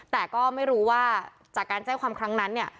แต่ก็ไม่รู้ว่าจากการแจ้งความครั้งนั้นเนี่ย